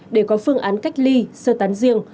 để có phương án cách ly sơ tán riêng